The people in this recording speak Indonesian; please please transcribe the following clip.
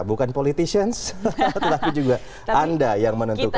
bukan politicians tetapi juga anda yang menentukan